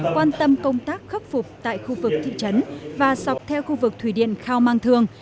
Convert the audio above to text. quan tâm công tác khắc phục tại khu vực thị trấn và sọc theo khu vực thủy điện khao mang thương